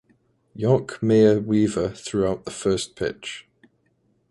York Mayor Weaver threw out the first pitch.